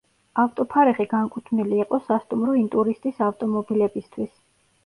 ავტოფარეხი განკუთვნილი იყო სასტუმრო ინტურისტის ავტომობილებისთვის.